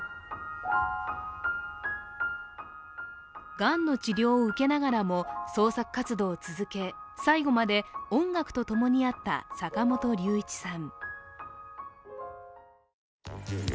がんの治療を受けながらも創作活動を続け最期まで音楽と共にあった坂本龍一さん。